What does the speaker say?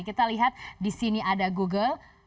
kita lihat di sini ada google